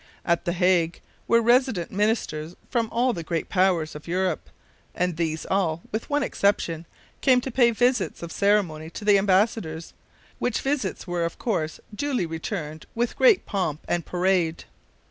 At the Hague were resident ministers from all the great powers of Europe, and these all, with one exception, came to pay visits of ceremony to the embassadors, which visits were of course duly returned with great pomp and parade.